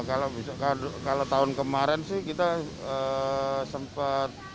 kalau motor biasanya kalau tahun kemarin sih kita sempat